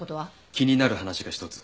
気になる話が一つ。